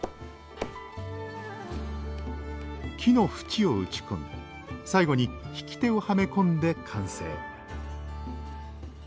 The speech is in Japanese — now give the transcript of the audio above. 木の縁を打ち込み最後に引き手をはめ込んで完成